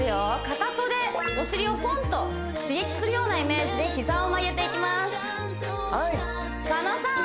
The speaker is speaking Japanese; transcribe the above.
かかとでお尻をコンと刺激するようなイメージで膝を曲げていきます狩野さん